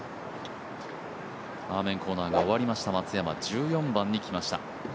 アーメンコーナーが終わりました松山、１４番に来ました。